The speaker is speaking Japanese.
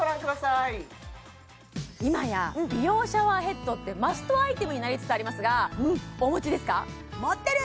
今や美容シャワーヘッドってマストアイテムになりつつありますがお持ちですか持ってる！